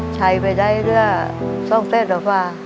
ใช้ไปได้เรื่องส้องเส้นอาฟา